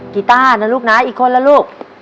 กีต้านะลูกนะอีกคนละลูก